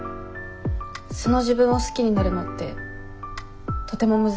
素の自分を好きになるのってとても難しいです。